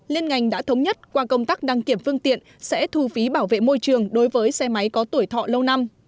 liên ngành đã thống nhất qua công tác đăng kiểm phương tiện sẽ thu phí bảo vệ môi trường đối với xe máy có tuổi thọ lâu năm